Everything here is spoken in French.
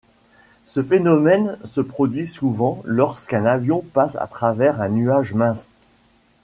Ce phénomène se produit souvent lorsqu'un avion passe à travers un nuage mince.